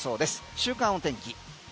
週間天気。